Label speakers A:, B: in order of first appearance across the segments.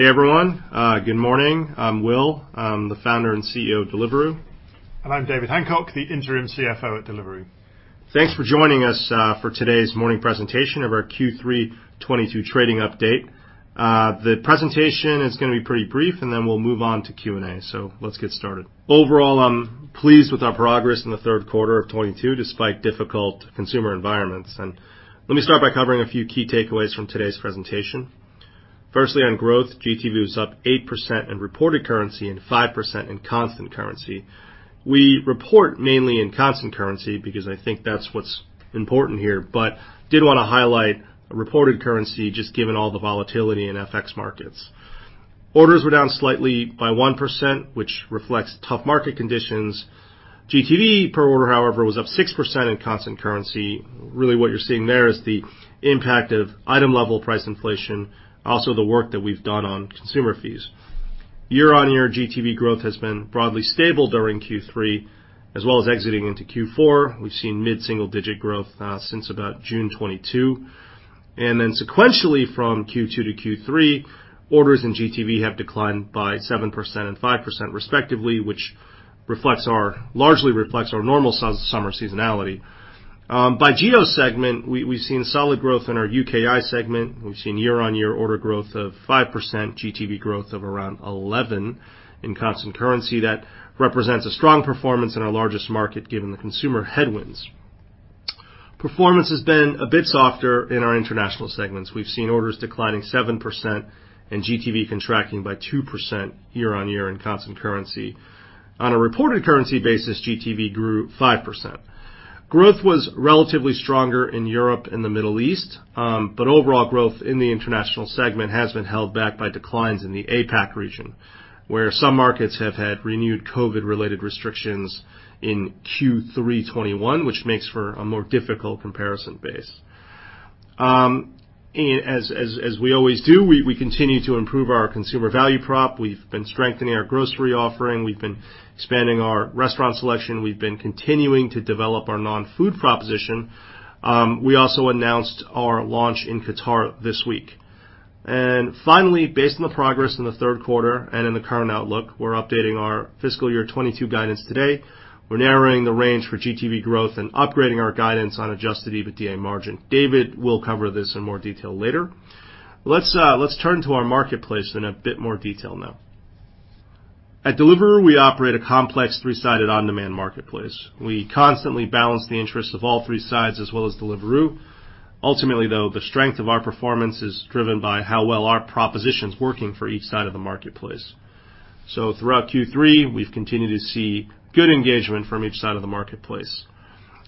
A: Hey, everyone. Good morning. I'm Will. I'm the founder and CEO of Deliveroo.
B: I'm David Hancock, the Interim CFO at Deliveroo.
A: Thanks for joining us, for today's morning presentation of our Q3 2022 trading update. The presentation is gonna be pretty brief, and then we'll move on to Q&A. Let's get started. Overall, I'm pleased with our progress in the third quarter of 2022, despite difficult consumer environments. Let me start by covering a few key takeaways from today's presentation. Firstly, on growth, GTV was up 8% in reported currency and 5% in constant currency. We report mainly in constant currency because I think that's what's important here. But did wanna highlight reported currency just given all the volatility in FX markets. Orders were down slightly by 1%, which reflects tough market conditions. GTV per order, however, was up 6% in constant currency. Really what you're seeing there is the impact of item-level price inflation, also the work that we've done on consumer fees. Year-on-year, GTV growth has been broadly stable during Q3, as well as exiting into Q4. We've seen mid-single digit growth since about June 2022. Sequentially from Q2 to Q3, orders and GTV have declined by 7% and 5% respectively, which largely reflects our normal summer seasonality. By geo segment, we've seen solid growth in our UKI segment. We've seen year-on-year order growth of 5%, GTV growth of around 11% in constant currency. That represents a strong performance in our largest market given the consumer headwinds. Performance has been a bit softer in our international segments. We've seen orders declining 7% and GTV contracting by 2% year-on-year in constant currency. On a reported currency basis, GTV grew 5%. Growth was relatively stronger in Europe and the Middle East, but overall growth in the international segment has been held back by declines in the APAC region, where some markets have had renewed COVID-related restrictions in Q3 2021, which makes for a more difficult comparison base. As we always do, we continue to improve our consumer value prop. We've been strengthening our grocery offering. We've been expanding our restaurant selection. We've been continuing to develop our non-food proposition. We also announced our launch in Qatar this week. Finally, based on the progress in the third quarter and in the current outlook, we're updating our fiscal year 2022 guidance today. We're narrowing the range for GTV growth and upgrading our guidance on adjusted EBITDA margin. David will cover this in more detail later. Let's turn to our marketplace in a bit more detail now. At Deliveroo, we operate a complex three-sided on-demand marketplace. We constantly balance the interests of all three sides as well as Deliveroo. Ultimately, though, the strength of our performance is driven by how well our proposition's working for each side of the marketplace. Throughout Q3, we've continued to see good engagement from each side of the marketplace.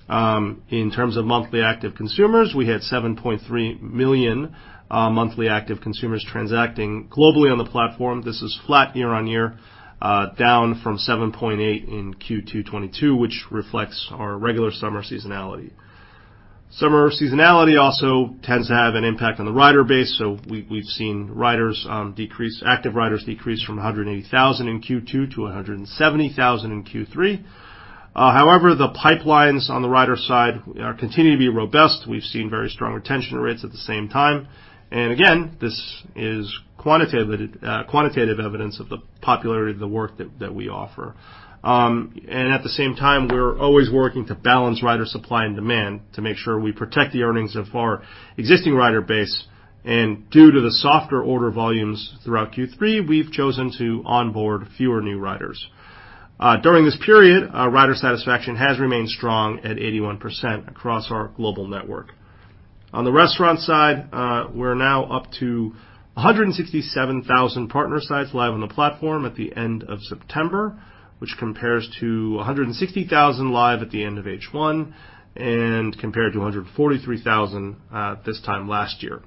A: In terms of monthly active consumers, we had 7.3 million monthly active consumers transacting globally on the platform. This is flat year on year, down from 7.8 in Q2 2022, which reflects our regular summer seasonality. Summer seasonality also tends to have an impact on the rider base. We've seen active riders decrease from 180,000 in Q2 to 170,000 in Q3. However, the pipelines on the rider side are continuing to be robust. We've seen very strong retention rates at the same time. Again, this is quantitative evidence of the popularity of the work that we offer. At the same time, we're always working to balance rider supply and demand to make sure we protect the earnings of our existing rider base. Due to the softer order volumes throughout Q3, we've chosen to onboard fewer new riders. During this period, rider satisfaction has remained strong at 81% across our global network. On the restaurant side, we're now up to 167,000 partner sites live on the platform at the end of September, which compares to 160,000 live at the end of H1 and compared to 143,000 this time last year.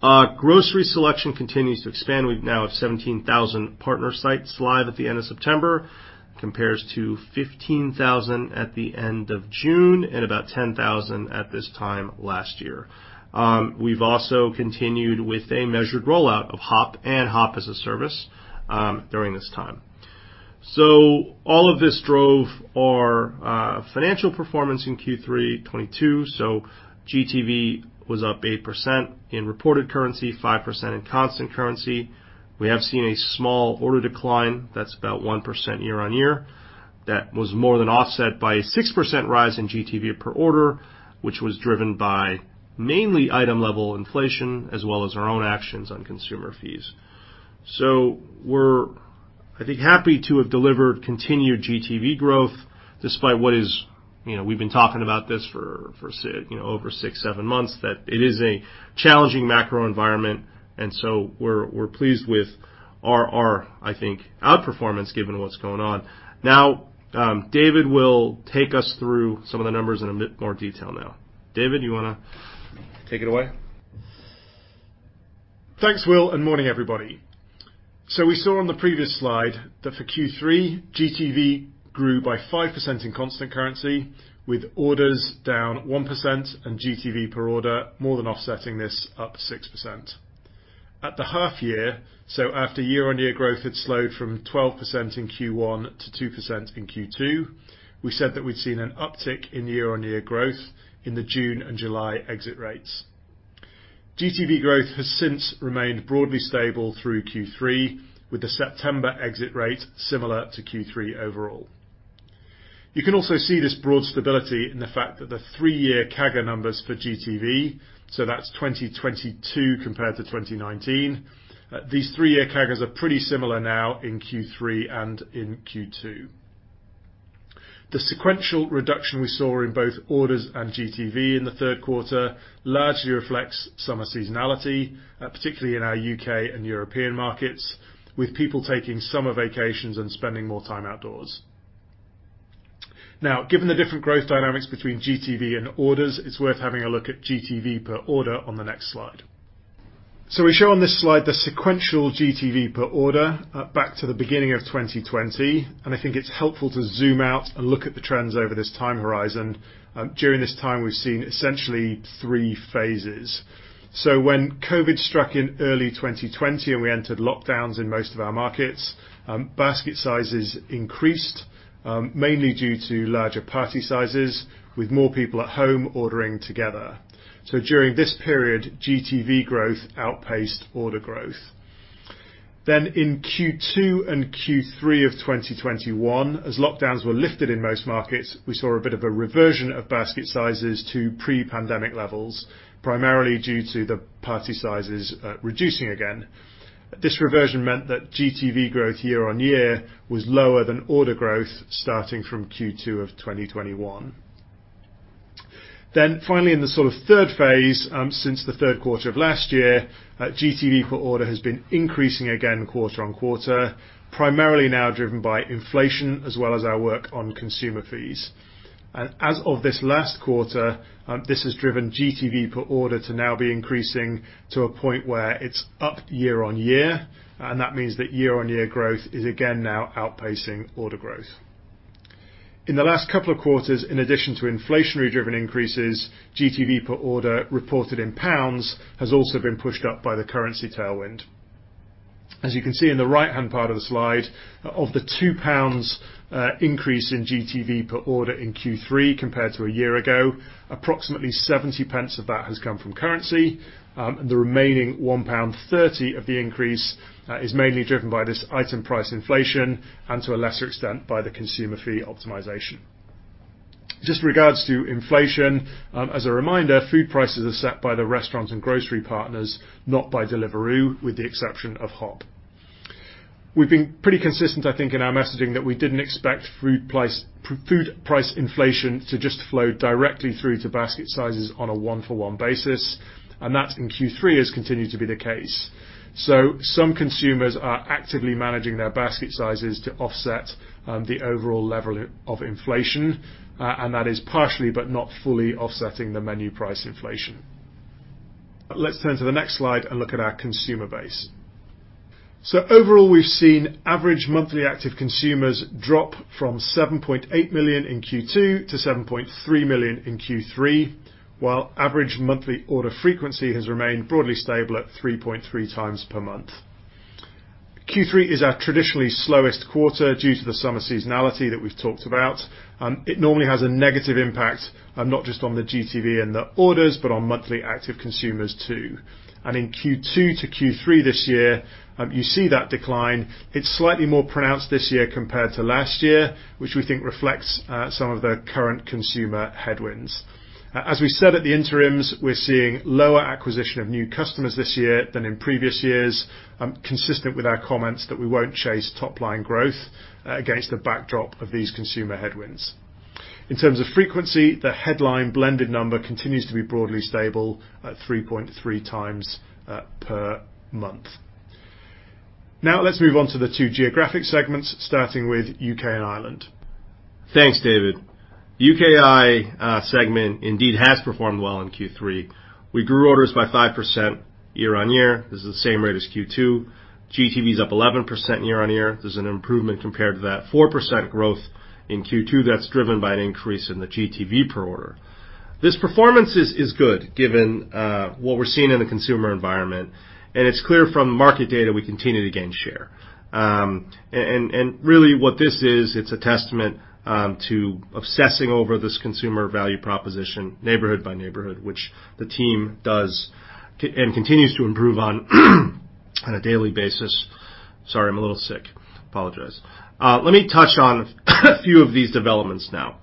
A: Grocery selection continues to expand. We now have 17,000 partner sites live at the end of September, compares to 15,000 at the end of June and about 10,000 at this time last year. We've also continued with a measured rollout of Hop and Hop as a Service during this time. All of this drove our financial performance in Q3 2022. GTV was up 8% in reported currency, 5% in constant currency. We have seen a small order decline that's about 1% year-on-year. That was more than offset by a 6% rise in GTV per order, which was driven by mainly item-level inflation, as well as our own actions on consumer fees. We're, I think, happy to have delivered continued GTV growth despite what is. You know, we've been talking about this for you know, over six, seven months, that it is a challenging macro environment, and so we're pleased with our, I think, outperformance given what's going on. Now, David will take us through some of the numbers in a bit more detail now. David, you wanna take it away?
B: Thanks, Will, and good morning, everybody. We saw on the previous slide that for Q3, GTV grew by 5% in constant currency with orders down 1% and GTV per order more than offsetting this up 6%. At the half year, after year-on-year growth had slowed from 12% in Q1 to 2% in Q2, we said that we'd seen an uptick in year-on-year growth in the June and July exit rates. GTV growth has since remained broadly stable through Q3, with the September exit rate similar to Q3 overall. You can also see this broad stability in the fact that the three-year CAGR numbers for GTV, so that's 2022 compared to 2019, these three-year CAGRs are pretty similar now in Q3 and in Q2. The sequential reduction we saw in both orders and GTV in the third quarter largely reflects summer seasonality, particularly in our UK and European markets, with people taking summer vacations and spending more time outdoors. Now, given the different growth dynamics between GTV and orders, it's worth having a look at GTV per order on the next slide. We show on this slide the sequential GTV per order back to the beginning of 2020. I think it's helpful to zoom out and look at the trends over this time horizon. During this time, we've seen essentially three phases. When COVID struck in early 2020, and we entered lockdowns in most of our markets, basket sizes increased, mainly due to larger party sizes, with more people at home ordering together. During this period, GTV growth outpaced order growth. In Q2 and Q3 of 2021, as lockdowns were lifted in most markets, we saw a bit of a reversion of basket sizes to pre-pandemic levels, primarily due to the party sizes reducing again. This reversion meant that GTV growth year-on-year was lower than order growth starting from Q2 of 2021. Finally, in the sort of third phase, since the third quarter of last year, GTV per order has been increasing again quarter-on-quarter, primarily now driven by inflation as well as our work on consumer fees. As of this last quarter, this has driven GTV per order to now be increasing to a point where it's up year-on-year, and that means that year-on-year growth is again now outpacing order growth. In the last couple of quarters, in addition to inflation-driven increases, GTV per order reported in pounds has also been pushed up by the currency tailwind. As you can see in the right-hand part of the slide, of the 2 pounds increase in GTV per order in Q3 compared to a year ago, approximately 0.70 of that has come from currency, and the remaining 1.30 pound of the increase is mainly driven by this item price inflation and to a lesser extent by the consumer fee optimization. Just regarding inflation, as a reminder, food prices are set by the restaurant and grocery partners, not by Deliveroo, with the exception of Hop. We've been pretty consistent, I think, in our messaging that we didn't expect food price inflation to just flow directly through to basket sizes on a one-for-one basis, and that in Q3 has continued to be the case. Some consumers are actively managing their basket sizes to offset the overall level of inflation, and that is partially, but not fully offsetting the menu price inflation. Let's turn to the next slide and look at our consumer base. Overall, we've seen average monthly active consumers drop from 7.8 million in Q2 to 7.3 million in Q3, while average monthly order frequency has remained broadly stable at 3.3 times per month. Q3 is our traditionally slowest quarter due to the summer seasonality that we've talked about. It normally has a negative impact, not just on the GTV and the orders, but on monthly active consumers too. In Q2 to Q3 this year, you see that decline. It's slightly more pronounced this year compared to last year, which we think reflects some of the current consumer headwinds. As we said at the interims, we're seeing lower acquisition of new customers this year than in previous years, consistent with our comments that we won't chase top-line growth against the backdrop of these consumer headwinds. In terms of frequency, the headline blended number continues to be broadly stable at 3.3 times per month. Now let's move on to the two geographic segments, starting with UK and Ireland.
A: Thanks, David. UKI segment indeed has performed well in Q3. We grew orders by 5% year on year. This is the same rate as Q2. GTV is up 11% year on year. There's an improvement compared to that 4% growth in Q2 that's driven by an increase in the GTV per order. This performance is good given what we're seeing in the consumer environment, and it's clear from market data we continue to gain share. Really what this is, it's a testament to obsessing over this consumer value proposition neighborhood by neighborhood, which the team does and continues to improve on a daily basis. Sorry, I'm a little sick. Apologize. Let me touch on a few of these developments now.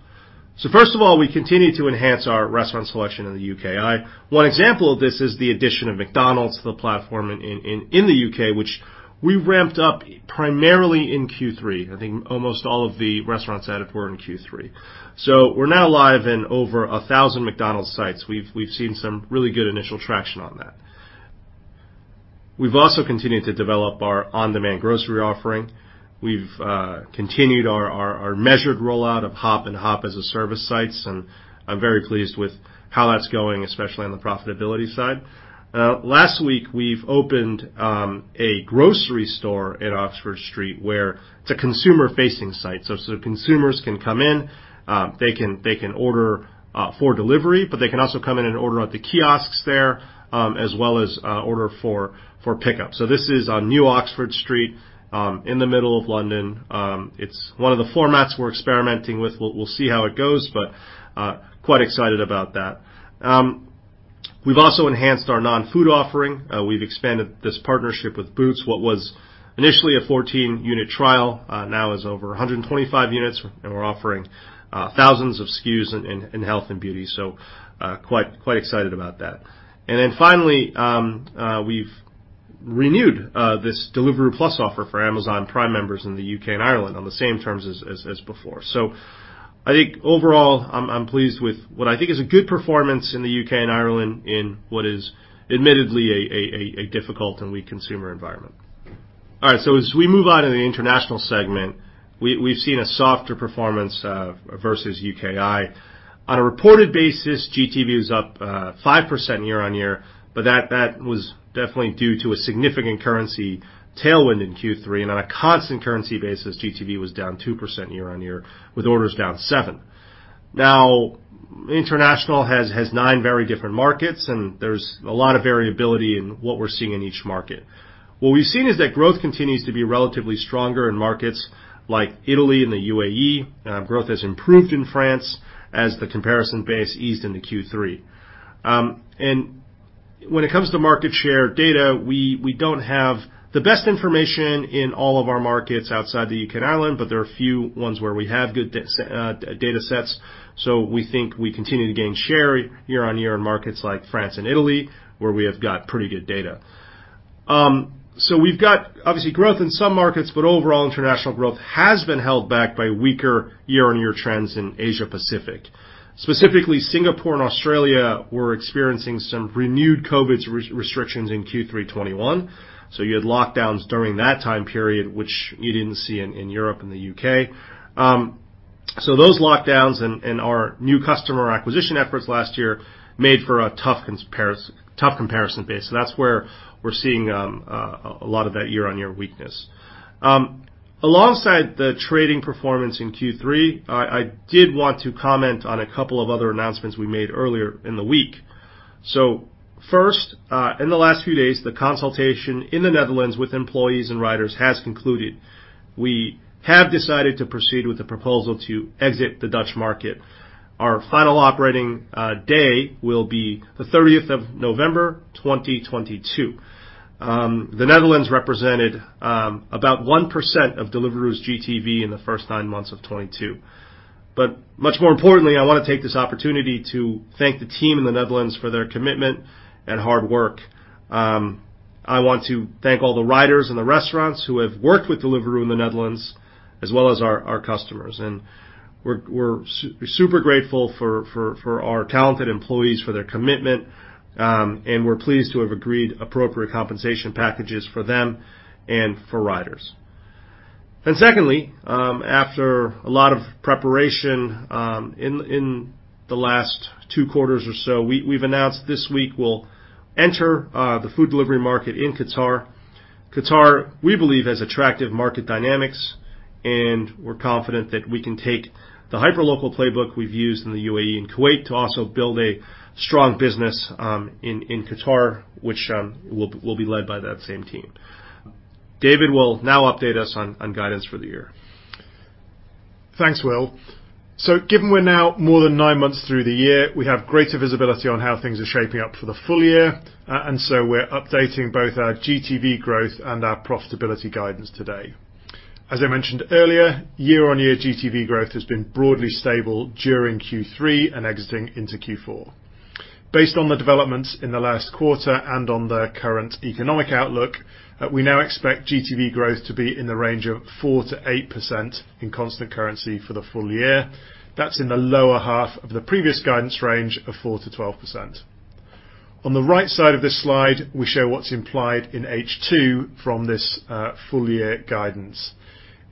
A: First of all, we continue to enhance our restaurant selection in the UKI. One example of this is the addition of McDonald's to the platform in the U.K., which we ramped up primarily in Q3. I think almost all of the restaurants added were in Q3. We're now live in over 1,000 McDonald's sites. We've seen some really good initial traction on that. We've also continued to develop our on-demand grocery offering. We've continued our measured rollout of Hop and Hop as a Service sites, and I'm very pleased with how that's going, especially on the profitability side. Last week, we've opened a grocery store at Oxford Street where it's a consumer facing site. Consumers can come in, they can order for delivery, but they can also come in and order at the kiosks there, as well as order for pickup. This is on New Oxford Street, in the middle of London. It's one of the formats we're experimenting with. We'll see how it goes, but quite excited about that. We've also enhanced our non-food offering. We've expanded this partnership with Boots. What was initially a 14-unit trial, now is over 125 units. We're offering thousands of SKUs in health and beauty, so quite excited about that. Finally, we've renewed this Deliveroo Plus offer for Amazon Prime members in the UK and Ireland on the same terms as before. I think overall I'm pleased with what I think is a good performance in the UK and Ireland in what is admittedly a difficult and weak consumer environment. All right, as we move on to the international segment, we've seen a softer performance versus UKI. On a reported basis, GTV is up 5% year-on-year, but that was definitely due to a significant currency tailwind in Q3. On a constant currency basis, GTV was down 2% year-on-year, with orders down 7%. Now, international has nine very different markets, and there's a lot of variability in what we're seeing in each market. What we've seen is that growth continues to be relatively stronger in markets like Italy and the UAE. Growth has improved in France as the comparison base eased into Q3. When it comes to market share data, we don't have the best information in all of our markets outside the UK and Ireland, but there are a few ones where we have good data sets. We think we continue to gain share year-on-year in markets like France and Italy, where we have got pretty good data. We've got obviously growth in some markets, but overall international growth has been held back by weaker year-on-year trends in Asia Pacific. Specifically, Singapore and Australia were experiencing some renewed COVID restrictions in Q3 2021, so you had lockdowns during that time period which you didn't see in Europe and the UK. Those lockdowns and our new customer acquisition efforts last year made for a tough comparison base, so that's where we're seeing a lot of that year-on-year weakness. Alongside the trading performance in Q3, I did want to comment on a couple of other announcements we made earlier in the week. First, in the last few days, the consultation in the Netherlands with employees and riders has concluded. We have decided to proceed with the proposal to exit the Dutch market. Our final operating day will be the thirtieth of November, 2022. The Netherlands represented about 1% of Deliveroo's GTV in the first nine months of 2022. Much more importantly, I wanna take this opportunity to thank the team in the Netherlands for their commitment and hard work. I want to thank all the riders and the restaurants who have worked with Deliveroo in the Netherlands, as well as our customers. We're super grateful for our talented employees for their commitment, and we're pleased to have agreed appropriate compensation packages for them and for riders. Secondly, after a lot of preparation in the last two quarters or so, we've announced this week we'll enter the food delivery market in Qatar. Qatar, we believe, has attractive market dynamics, and we're confident that we can take the hyperlocal playbook we've used in the UAE and Kuwait to also build a strong business in Qatar, which will be led by that same team. David will now update us on guidance for the year.
B: Thanks, Will. Given we're now more than nine months through the year, we have greater visibility on how things are shaping up for the full year, and so we're updating both our GTV growth and our profitability guidance today. As I mentioned earlier, year-on-year GTV growth has been broadly stable during Q3 and exiting into Q4. Based on the developments in the last quarter and on the current economic outlook, we now expect GTV growth to be in the range of 4%-8% in constant currency for the full year. That's in the lower half of the previous guidance range of 4%-12%. On the right side of this slide, we show what's implied in H2 from this full year guidance.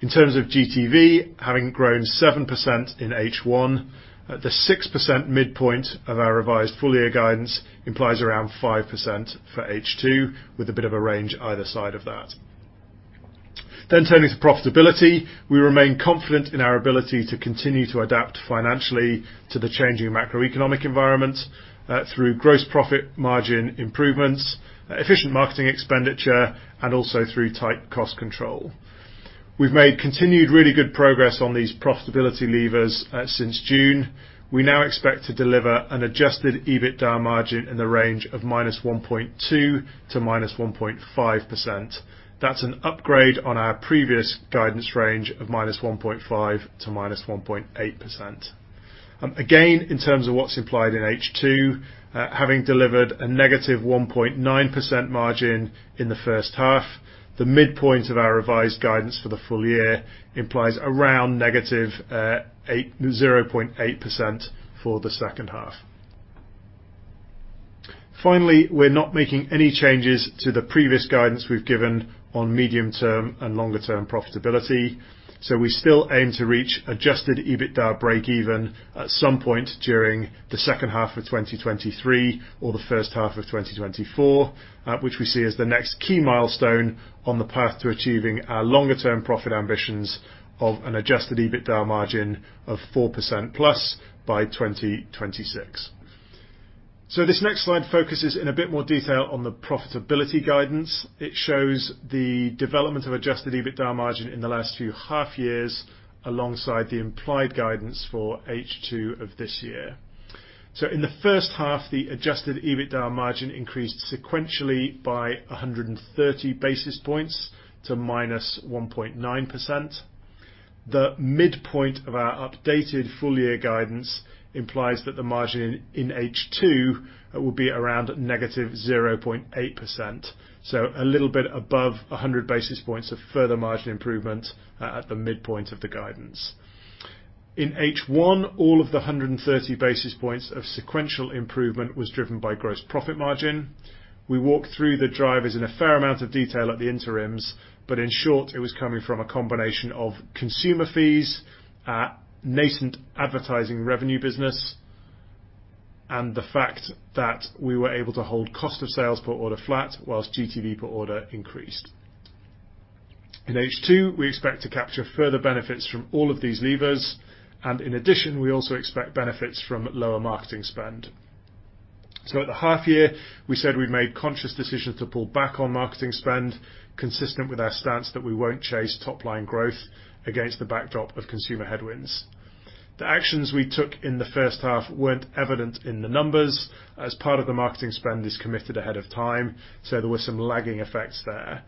B: In terms of GTV, having grown 7% in H1 at the 6% midpoint of our revised full year guidance implies around 5% for H2, with a bit of a range either side of that. Turning to profitability. We remain confident in our ability to continue to adapt financially to the changing macroeconomic environment, through gross profit margin improvements, efficient marketing expenditure, and also through tight cost control. We've made continued really good progress on these profitability levers, since June. We now expect to deliver an adjusted EBITDA margin in the range of -1.2% to -1.5%. That's an upgrade on our previous guidance range of -1.5% to -1.8%. Again, in terms of what's implied in H2, having delivered a negative 1.9% margin in the first half, the midpoint of our revised guidance for the full year implies around negative 0.8% for the second half. Finally, we're not making any changes to the previous guidance we've given on medium-term and longer-term profitability. We still aim to reach adjusted EBITDA breakeven at some point during the second half of 2023 or the first half of 2024, which we see as the next key milestone on the path to achieving our longer-term profit ambitions of an adjusted EBITDA margin of 4%+ by 2026. This next slide focuses in a bit more detail on the profitability guidance. It shows the development of adjusted EBITDA margin in the last few half years alongside the implied guidance for H2 of this year. In the first half, the adjusted EBITDA margin increased sequentially by 130 basis points to -1.9%. The midpoint of our updated full year guidance implies that the margin in H2 will be around -0.8%. A little bit above 100 basis points of further margin improvement at the midpoint of the guidance. In H1, all of the 130 basis points of sequential improvement was driven by gross profit margin. We walked through the drivers in a fair amount of detail at the interims, but in short, it was coming from a combination of consumer fees, a nascent advertising revenue business, and the fact that we were able to hold cost of sales per order flat while GTV per order increased. In H2, we expect to capture further benefits from all of these levers, and in addition, we also expect benefits from lower marketing spend. At the half year, we said we've made conscious decisions to pull back on marketing spend, consistent with our stance that we won't chase top line growth against the backdrop of consumer headwinds. The actions we took in the first half weren't evident in the numbers as part of the marketing spend is committed ahead of time, so there were some lagging effects there.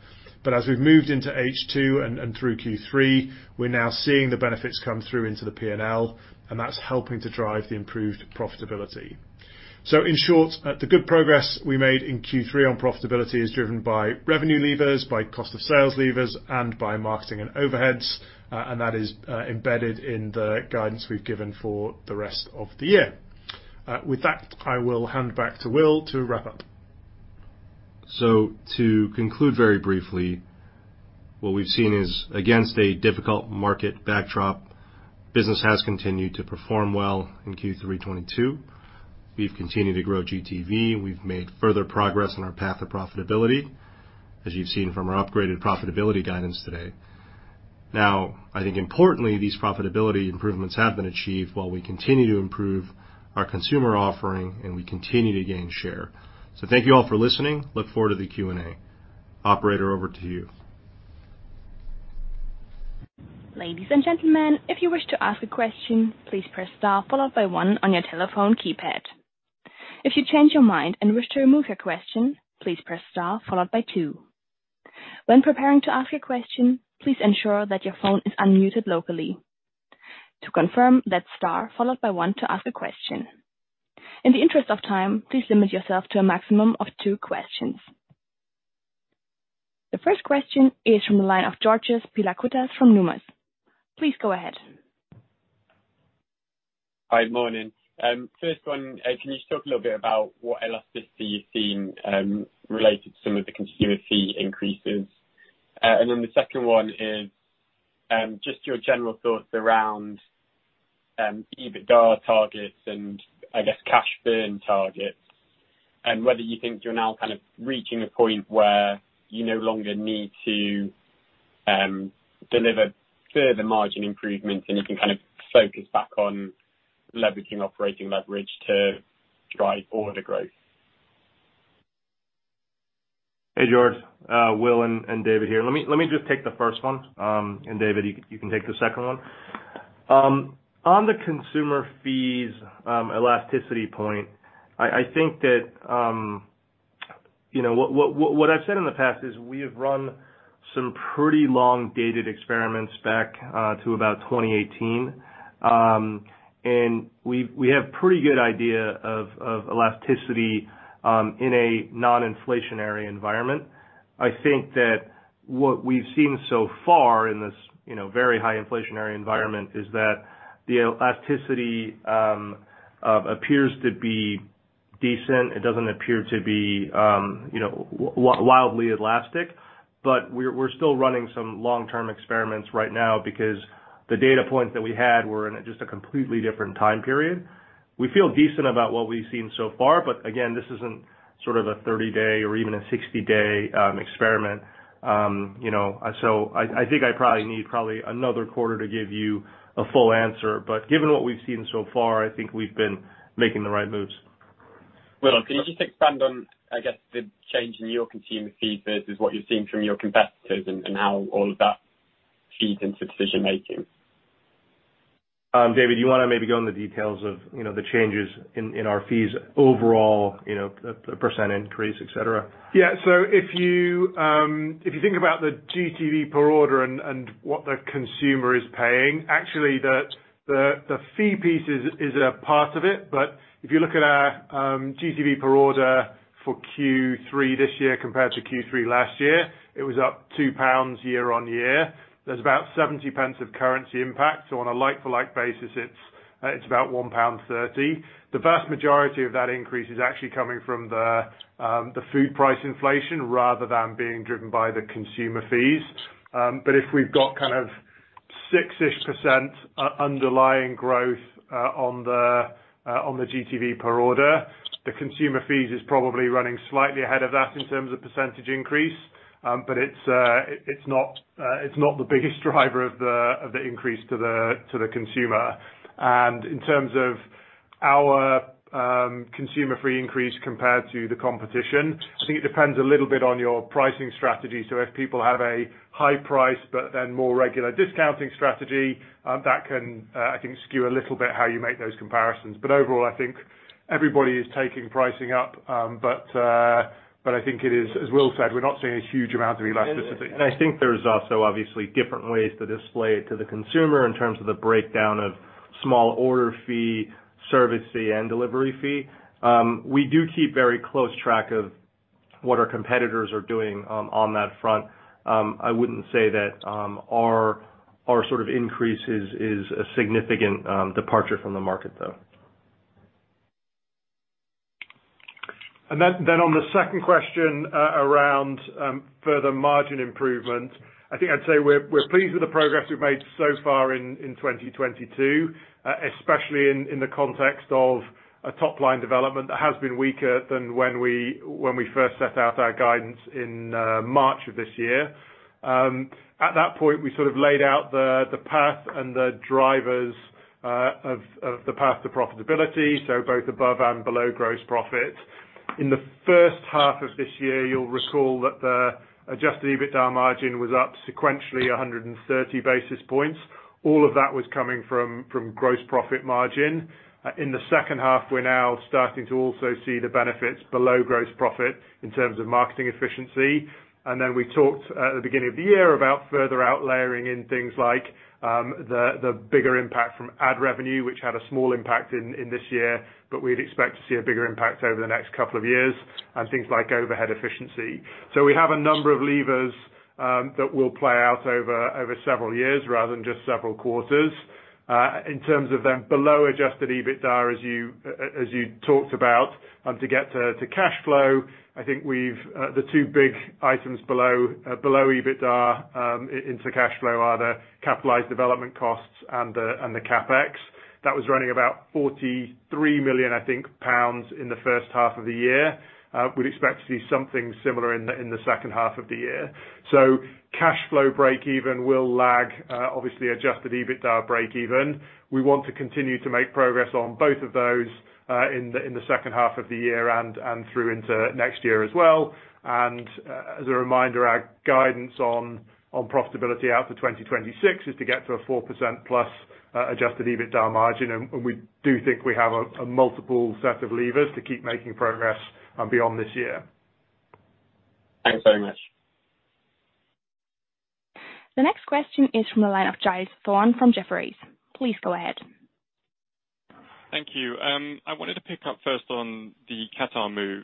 B: As we've moved into H2 and through Q3, we're now seeing the benefits come through into the P&L, and that's helping to drive the improved profitability. In short, the good progress we made in Q3 on profitability is driven by revenue levers, by cost of sales levers, and by marketing and overheads, and that is embedded in the guidance we've given for the rest of the year. With that, I will hand back to Will to wrap up.
A: To conclude very briefly, what we've seen is, against a difficult market backdrop, business has continued to perform well in Q3 2022. We've continued to grow GTV. We've made further progress on our path to profitability, as you've seen from our upgraded profitability guidance today. Now, I think importantly, these profitability improvements have been achieved while we continue to improve our consumer offering, and we continue to gain share. Thank you all for listening. Look forward to the Q&A. Operator, over to you.
C: Ladies and gentlemen, if you wish to ask a question, please press star followed by one on your telephone keypad. If you change your mind and wish to remove your question, please press star followed by two. When preparing to ask a question, please ensure that your phone is unmuted locally. To confirm, that's star followed by one to ask a question. In the interest of time, please limit yourself to a maximum of two questions. The first question is from the line of Georgios Pilakoutas from Numis. Please go ahead.
D: Hi. Morning. First one, can you just talk a little bit about what elasticity you've seen, related to some of the consumer fee increases? And then the second one is, just your general thoughts around, EBITDA targets and I guess cash burn targets, and whether you think you're now kind of reaching a point where you no longer need to, deliver further margin improvements, and you can kind of focus back on leveraging operating leverage to drive order growth.
A: Hey, Georges. Will and David here. Let me just take the first one. David, you can take the second one. On the consumer fees elasticity point, I think that, you know, what I've said in the past is we have run some pretty long dated experiments back to about 2018. We have pretty good idea of elasticity in a non-inflationary environment. I think that what we've seen so far in this, you know, very high inflationary environment is that the elasticity appears to be decent. It doesn't appear to be, you know, wildly elastic, but we're still running some long-term experiments right now because the data points that we had were in just a completely different time period. We feel decent about what we've seen so far, but again, this isn't sort of a 30 day or even a 60-day, experiment, you know. I think I probably need another quarter to give you a full answer, but given what we've seen so far, I think we've been making the right moves.
D: Will, can you just expand on, I guess, the change in your consumer fees versus what you're seeing from your competitors and how all of that feeds into decision-making?
A: David, you wanna maybe go in the details of, you know, the changes in our fees overall, you know, the percent increase, et cetera?
B: Yeah. If you think about the GTV per order and what the consumer is paying, actually the fee piece is a part of it. If you look at our GTV per order for Q3 this year compared to Q3 last year, it was up 2 pounds year-on-year. There's about 0.70 of currency impact. On a like-for-like basis, it's about 1.30 pound. The vast majority of that increase is actually coming from the food price inflation rather than being driven by the consumer fees. If we've got kind of 6-ish% underlying growth on the GTV per order, the consumer fees is probably running slightly ahead of that in terms of percentage increase. It's not the biggest driver of the increase to the consumer. In terms of Our consumer fee increase compared to the competition, I think it depends a little bit on your pricing strategy. If people have a high price but then more regular discounting strategy, that can, I think skew a little bit how you make those comparisons. Overall, I think everybody is taking pricing up. I think it is, as Will said, we're not seeing a huge amount of elasticity.
A: I think there's also obviously different ways to display it to the consumer in terms of the breakdown of small order fee, service fee and delivery fee. We do keep very close track of what our competitors are doing on that front. I wouldn't say that our sort of increase is a significant departure from the market though.
B: On the second question, around further margin improvement, I think I'd say we're pleased with the progress we've made so far in 2022, especially in the context of a top line development that has been weaker than when we first set out our guidance in March of this year. At that point, we sort of laid out the path and the drivers of the path to profitability, so both above and below gross profit. In the first half of this year, you'll recall that the adjusted EBITDA margin was up sequentially 130 basis points. All of that was coming from gross profit margin. In the second half, we're now starting to also see the benefits below gross profit in terms of marketing efficiency. We talked at the beginning of the year about further out layering in things like the bigger impact from ad revenue, which had a small impact in this year, but we'd expect to see a bigger impact over the next couple of years, and things like overhead efficiency. We have a number of levers that will play out over several years rather than just several quarters. In terms of them below adjusted EBITDA, as you talked about, to get to cash flow, I think we've the two big items below EBITDA into cash flow are the capitalized development costs and the CapEx. That was running about 43 million, I think, in the first half of the year. We'd expect to see something similar in the second half of the year. Cash flow breakeven will lag obviously adjusted EBITDA breakeven. We want to continue to make progress on both of those in the second half of the year and through into next year as well. As a reminder, our guidance on profitability out to 2026 is to get to a 4%+ adjusted EBITDA margin. We do think we have a multiple set of levers to keep making progress beyond this year.
C: Thanks very much. The next question is from the line of Giles Thorne from Jefferies. Please go ahead.
E: Thank you. I wanted to pick up first on the Qatar move.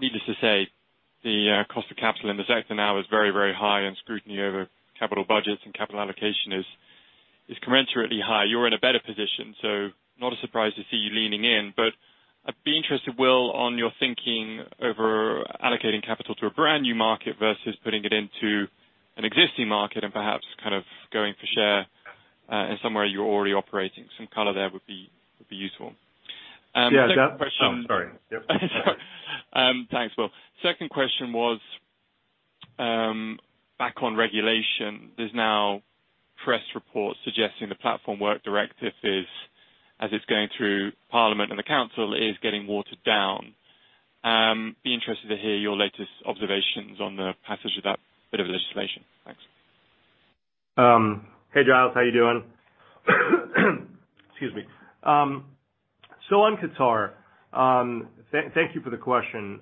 E: Needless to say, the cost of capital in the sector now is very, very high, and scrutiny over capital budgets and capital allocation is commensurately high. You're in a better position, so not a surprise to see you leaning in. I'd be interested, Will, on your thinking over allocating capital to a brand-new market versus putting it into an existing market and perhaps kind of going for share in somewhere you're already operating. Some color there would be useful. Second question-
A: Yeah. Oh, sorry. Yep.
E: Thanks, Will. Second question was back on regulation. There's now press reports suggesting the Platform Work Directive is, as it's going through parliament and the council, is getting watered down. Be interested to hear your latest observations on the passage of that bit of legislation. Thanks.
A: Hey, Giles, how you doing? Excuse me. On Qatar, thank you for the question.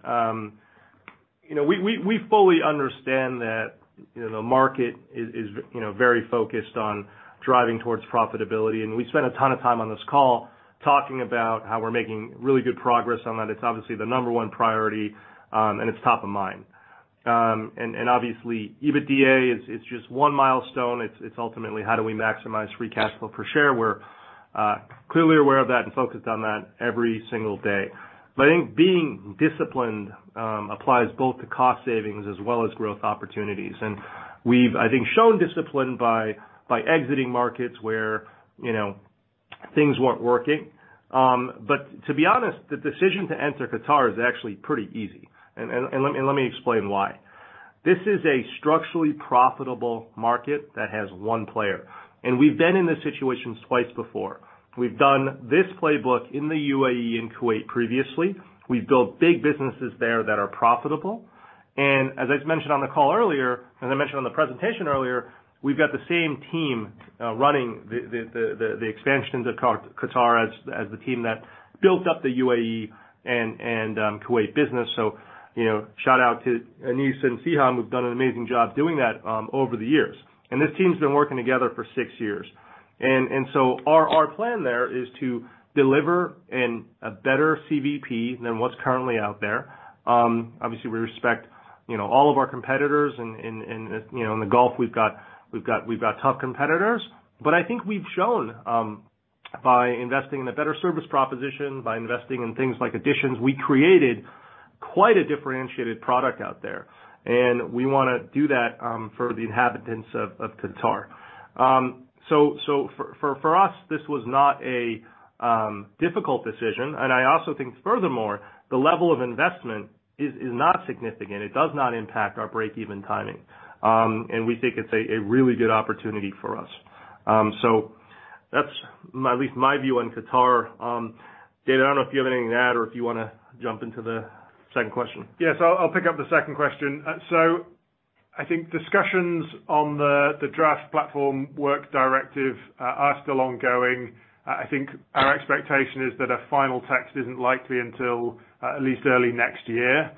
A: You know, we fully understand that, you know, the market is, you know, very focused on driving towards profitability, and we spent a ton of time on this call talking about how we're making really good progress on that. It's obviously the number one priority, and it's top of mind. Obviously EBITDA is, it's just one milestone. It's ultimately how do we maximize free cash flow per share. We're clearly aware of that and focused on that every single day. I think being disciplined applies both to cost savings as well as growth opportunities. We've, I think, shown discipline by exiting markets where, you know, things weren't working. To be honest, the decision to enter Qatar is actually pretty easy. Let me explain why. This is a structurally profitable market that has one player, and we've been in this situation twice before. We've done this playbook in the UAE and Kuwait previously. We've built big businesses there that are profitable. As I mentioned on the call earlier, as I mentioned on the presentation earlier, we've got the same team running the expansion into Qatar as the team that built up the UAE and Kuwait business. You know, shout out to Anis and Siham, who've done an amazing job doing that over the years. This team's been working together for six years. Our plan there is to deliver a better CVP than what's currently out there. Obviously we respect you know all of our competitors and you know in the Gulf, we've got tough competitors. I think we've shown by investing in a better service proposition, by investing in things like Editions, we created quite a differentiated product out there. We wanna do that for the inhabitants of Qatar. For us, this was not a difficult decision. I also think furthermore, the level of investment is not significant. It does not impact our breakeven timing. We think it's a really good opportunity for us. That's at least my view on Qatar. David, I don't know if you have anything to add or if you wanna jump into the second question.
B: Yes, I'll pick up the second question. I think discussions on the draft Platform Work Directive are still ongoing. I think our expectation is that a final text isn't likely until at least early next year.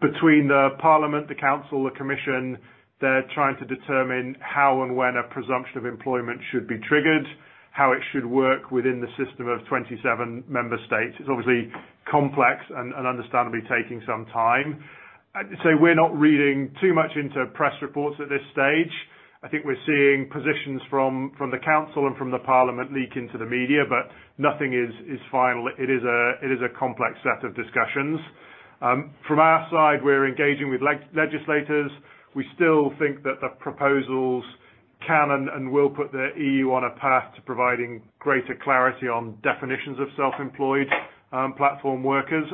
B: Between the Parliament, the Council, the Commission, they're trying to determine how and when a presumption of employment should be triggered, how it should work within the system of 27 member states. It's obviously complex and understandably taking some time. We're not reading too much into press reports at this stage. I think we're seeing positions from the Council and from the Parliament leak into the media, but nothing is final. It is a complex set of discussions. From our side, we're engaging with legislators. We still think that the proposals can and will put the EU on a path to providing greater clarity on definitions of self-employed platform workers.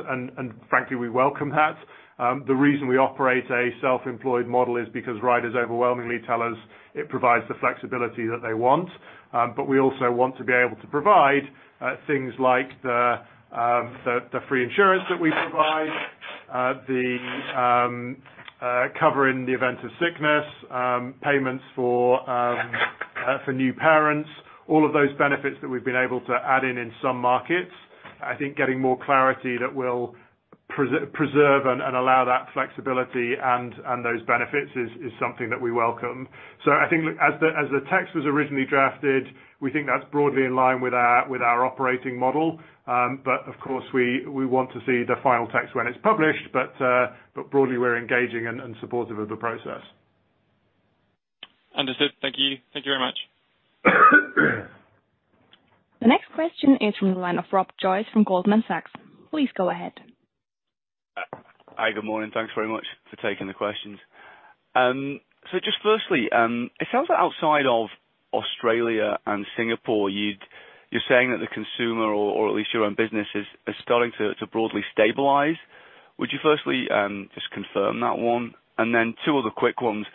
B: Frankly, we welcome that. The reason we operate a self-employed model is because riders overwhelmingly tell us it provides the flexibility that they want. But we also want to be able to provide things like the free insurance that we provide, the cover in the event of sickness, payments for new parents, all of those benefits that we've been able to add in some markets. I think getting more clarity that will preserve and allow that flexibility and those benefits is something that we welcome. I think as the text was originally drafted, we think that's broadly in line with our operating model. Of course, we want to see the final text when it's published. Broadly, we're engaging and supportive of the process.
A: Understood. Thank you. Thank you very much.
C: The next question is from the line of Rob Joyce from Goldman Sachs. Please go ahead.
F: Hi, good morning. Thanks very much for taking the questions. Just firstly, it sounds like outside of Australia and Singapore, you're saying that the consumer or at least your own business is starting to broadly stabilize. Would you firstly just confirm that one? Then two other quick ones.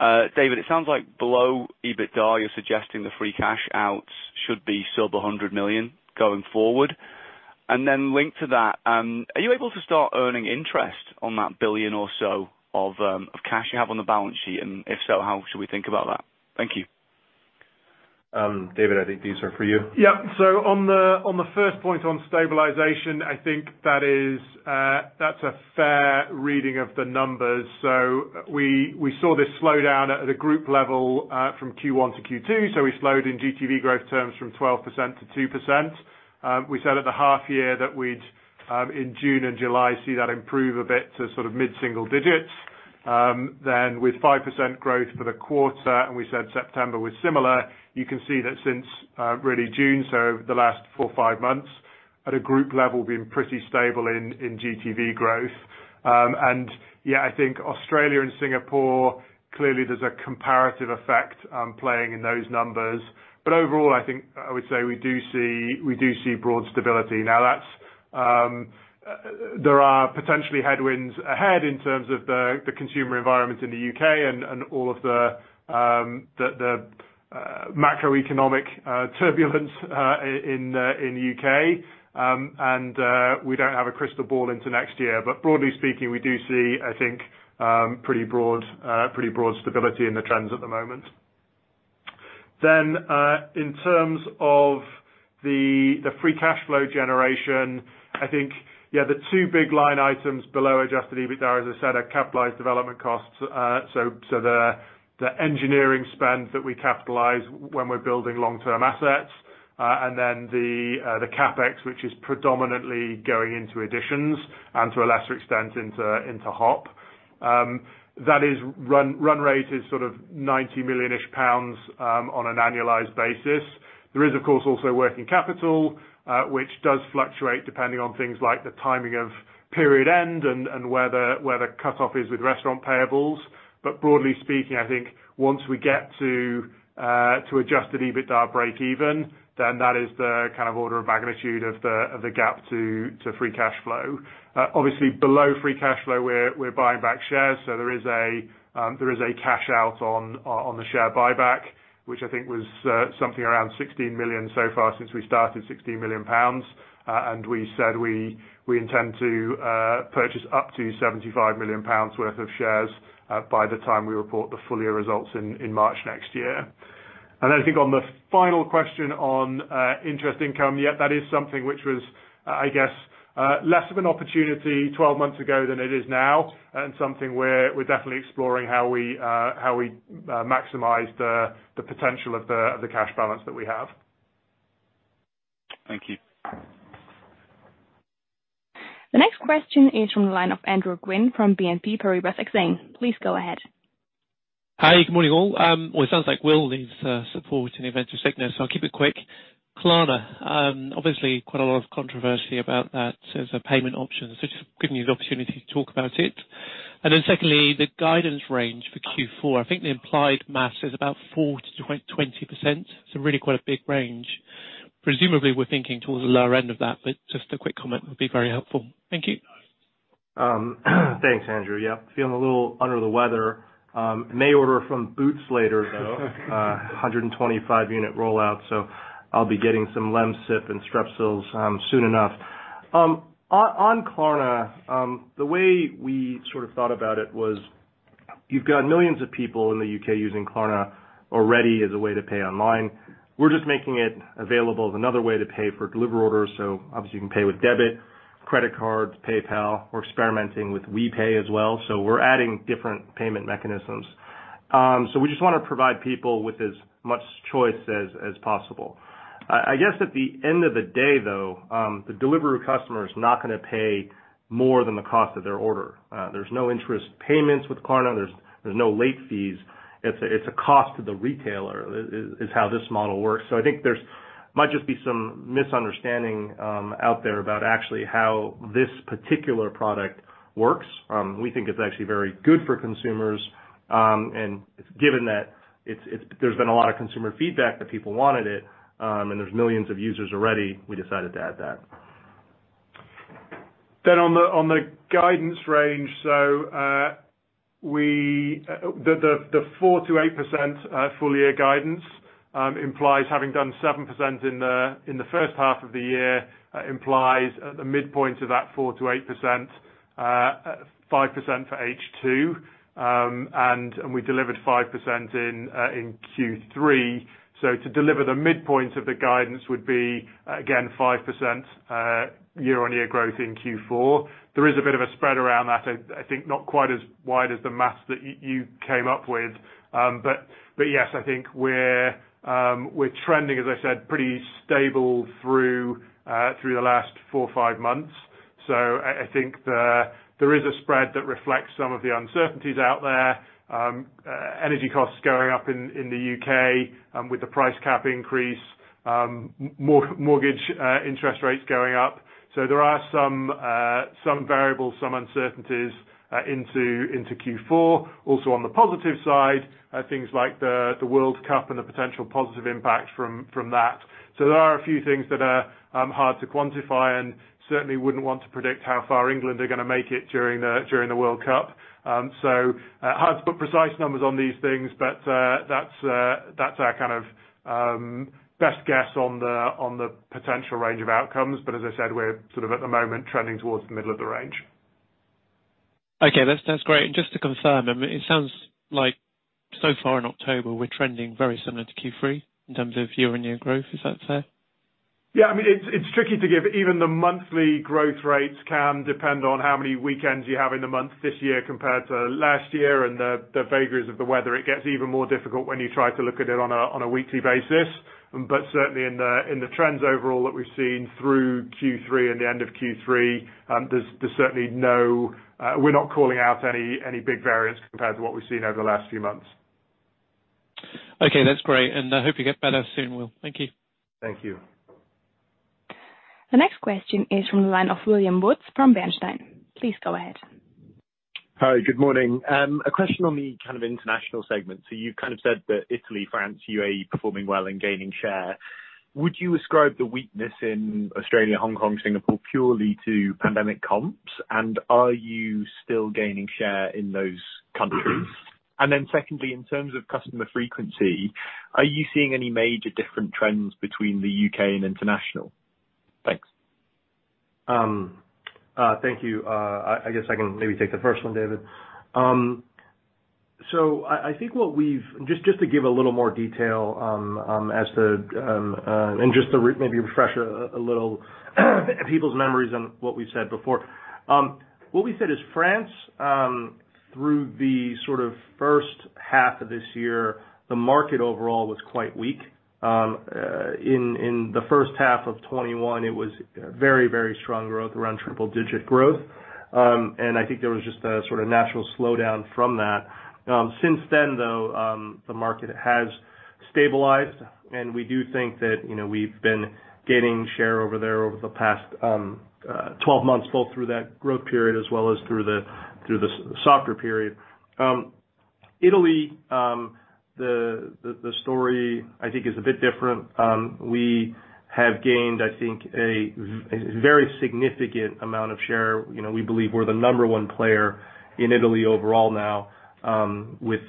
F: David, it sounds like below EBITDA, you're suggesting the free cash outflows should be still the 100 million going forward. Then linked to that, are you able to start earning interest on that 1 billion or so of cash you have on the balance sheet? If so, how should we think about that? Thank you.
A: David, I think these are for you.
B: Yeah. On the first point on stabilization, I think that's a fair reading of the numbers. We saw this slowdown at a group level from Q1 to Q2, so we slowed in GTV growth terms from 12% to 2%. We said at the half year that we'd in June and July see that improve a bit to sort of mid-single digits. With 5% growth for the quarter, and we said September was similar, you can see that since really June, so the last four or five months at a group level we've been pretty stable in GTV growth. Yeah, I think Australia and Singapore, clearly there's a comparative effect playing in those numbers. Overall, I think I would say we do see broad stability. There are potentially headwinds ahead in terms of the consumer environment in the UK and all of the macroeconomic turbulence in the UK. We don't have a crystal ball into next year. Broadly speaking, we do see, I think, pretty broad stability in the trends at the moment. In terms of the free cash flow generation, I think, yeah, the two big line items below adjusted EBITDA, as I said, are capitalized development costs. So the engineering spend that we capitalize when we're building long-term assets and the CapEx, which is predominantly going into Editions and to a lesser extent into Hop. That is run rate is sort of 90 million pounds-ish on an annualized basis. There is, of course, also working capital, which does fluctuate depending on things like the timing of period end and where the cutoff is with restaurant payables. Broadly speaking, I think once we get to adjusted EBITDA breakeven, then that is the kind of order of magnitude of the gap to free cash flow. Obviously below free cash flow, we're buying back shares, so there is a cash out on the share buyback, which I think was something around 16 million so far since we started, 16 million pounds. We said we intend to purchase up to 75 million pounds worth of shares by the time we report the full year results in March next year. I think on the final question on interest income, yeah, that is something which was, I guess, less of an opportunity 12 months ago than it is now, and something we're definitely exploring how we maximize the potential of the cash balance that we have.
F: Thank you.
C: The next question is from the line of Andrew Gwynn from BNP Paribas Exane. Please go ahead.
G: Hi. Good morning, all. Well, it sounds like Will leaves support in the event of sickness, so I'll keep it quick. Klarna, obviously quite a lot of controversy about that as a payment option, so just giving you the opportunity to talk about it. Secondly, the guidance range for Q4. I think the implied math is about 4%-20%. It's really quite a big range. Presumably we're thinking towards the lower end of that, but just a quick comment would be very helpful. Thank you.
A: Thanks, Andrew. Yeah, feeling a little under the weather. May order from Boots later, though. 125 unit rollout, so I'll be getting some Lemsip and Strepsils soon enough. On Klarna, the way we sort of thought about it was you've got millions of people in the U.K. using Klarna already as a way to pay online. We're just making it available as another way to pay for Deliveroo orders. Obviously you can pay with debit, credit cards, PayPal. We're experimenting with WePay as well, so we're adding different payment mechanisms. We just wanna provide people with as much choice as possible. I guess at the end of the day, though, the Deliveroo customer is not gonna pay more than the cost of their order. There's no interest payments with Klarna. There's no late fees. It's a cost to the retailer is how this model works. I think there might just be some misunderstanding out there about actually how this particular product works. We think it's actually very good for consumers, and given that it's there's been a lot of consumer feedback that people wanted it, and there's millions of users already, we decided to add that.
B: On the guidance range. The 4%-8% full year guidance implies having done 7% in the first half of the year, implies the midpoint of that 4%-8%, 5% for H2. We delivered 5% in Q3. To deliver the midpoint of the guidance would be, again, 5% year-on-year growth in Q4. There is a bit of a spread around that, I think not quite as wide as the math that you came up with. Yes, I think we're trending, as I said, pretty stable through the last four or five months. I think there is a spread that reflects some of the uncertainties out there. Energy costs going up in the UK with the price cap increase, mortgage interest rates going up. There are some variables, some uncertainties into Q4. Also on the positive side are things like the World Cup and the potential positive impact from that. There are a few things that are hard to quantify, and certainly wouldn't want to predict how far England are gonna make it during the World Cup. Hard to put precise numbers on these things, but that's our kind of best guess on the potential range of outcomes. As I said, we're sort of at the moment trending towards the middle of the range.
G: Okay, that's great. Just to confirm, I mean, it sounds like so far in October, we're trending very similar to Q3 in terms of year-on-year growth. Is that fair?
B: Yeah. I mean, it's tricky to give, even the monthly growth rates can depend on how many weekends you have in the month this year compared to last year and the vagaries of the weather. It gets even more difficult when you try to look at it on a weekly basis. Certainly in the trends overall that we've seen through Q3 and the end of Q3, there's certainly no. We're not calling out any big variance compared to what we've seen over the last few months.
G: Okay, that's great. I hope you get better soon, Will. Thank you.
A: Thank you.
C: The next question is from the line of William Woods from Bernstein. Please go ahead.
H: Hi, good morning. A question on the kind of international segment. You've kind of said that Italy, France, UAE performing well and gaining share. Would you ascribe the weakness in Australia, Hong Kong, Singapore purely to pandemic comps? And are you still gaining share in those countries?
A: Mm-hmm.
H: Secondly, in terms of customer frequency, are you seeing any major different trends between the UK and international? Thanks.
A: Thank you. I guess I can maybe take the first one, David. I think just to give a little more detail as to maybe refresh a little people's memories on what we said before. What we said is France through the sort of first half of this year, the market overall was quite weak. In the first half of 2021, it was very strong growth, around triple-digit growth. I think there was just a sort of natural slowdown from that. Since then, though, the market has stabilized, and we do think that, you know, we've been gaining share over there over the past 12 months, both through that growth period as well as through the softer period. Italy, the story I think is a bit different. We have gained, I think, a very significant amount of share. You know, we believe we're the number one player in Italy overall now, with